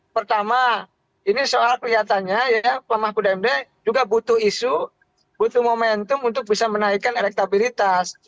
pertama ini soal kelihatannya ya pak mahfud md juga butuh isu butuh momentum untuk bisa menaikkan elektabilitas